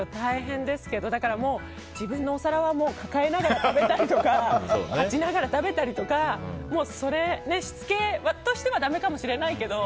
だからもう自分のお皿は抱えながら食べたり立ちながら食べたりしてしつけとしてはだめかもしれないけど